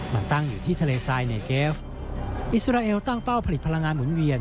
มาตั้งอยู่ที่ทะเลทรายในเกฟอิสราเอลตั้งเป้าผลิตพลังงานหมุนเวียน